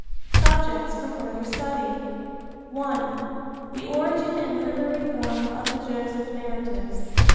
Subjects for Further Study. (1) The Origin and Literary Form of the Joseph Narratives.